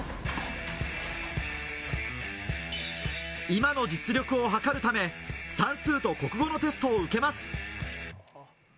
今の実力を測るため、算数と国語のテストを受けます。